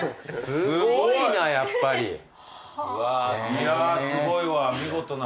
いやすごいわ見事な。